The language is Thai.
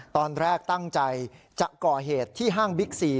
ตอนแรกตั้งใจจะก่อเหตุที่ห้างบิ๊กซี